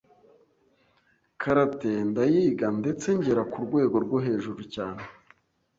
karate ndayiga ndetse ngera ku rwego rwo hejuru cyane